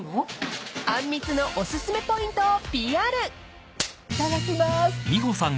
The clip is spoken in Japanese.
［あんみつのお薦めポイントを］いただきます。